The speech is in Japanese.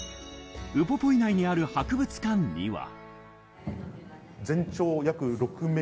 ウポポイにある博物館には。